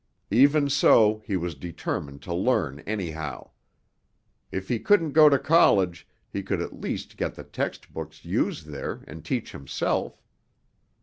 Even so he was determined to learn anyhow. If he couldn't go to college, he could at least get the textbooks used there and teach himself.